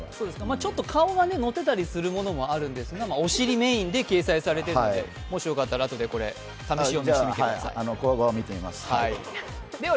ちょっと顔が載ってたりするものもあるんですが、お尻メインで掲載されてるので、もしよかったら、あとで隠し読みしてみてください。